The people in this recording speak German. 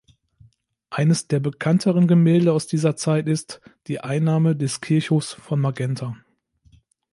Eines der bekannteren Gemälde aus dieser Zeit ist „Die Einnahme des Kirchhofs von Magenta“.